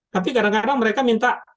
tapi kadang kadang mereka minta